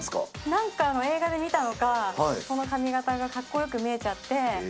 なんか、映画で見たのか、その髪形がかっこよく見えちゃって。